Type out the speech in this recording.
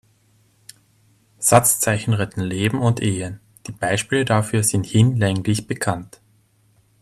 Satzzeichen retten Leben und Ehen, die Beispiele dafür sind hinlänglich bekannt.